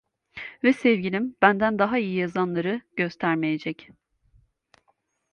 Ve sevgilim benden daha iyi yazanları gösteremeyecek.